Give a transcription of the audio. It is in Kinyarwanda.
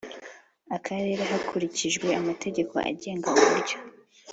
Akarere hakurikijwe amategeko agenga uburyo